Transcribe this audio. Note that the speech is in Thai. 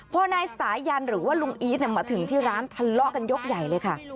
พอนายสายันหรือว่าลุงอีทมาถึงที่ร้านทะเลาะกันยกใหญ่เลยค่ะ